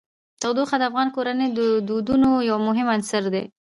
تودوخه د افغان کورنیو د دودونو یو مهم عنصر دی.